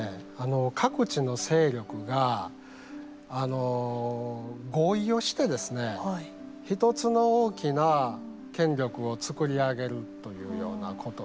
各地の勢力が合意をしてですね一つの大きな権力をつくり上げるというようなことですよね。